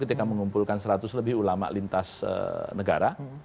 di ulama lintas negara